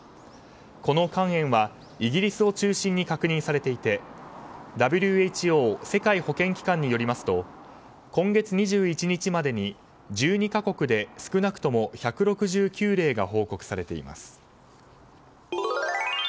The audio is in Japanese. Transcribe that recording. この肝炎はイギリスを中心に確認されていてＷＨＯ・世界保健機関によりますと今月２１日までに１２か国で少なくとも１６９例が報告されています。